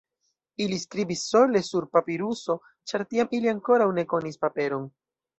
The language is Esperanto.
Ili skribis sole sur papiruso, ĉar tiam ili ankoraŭ ne konis paperon.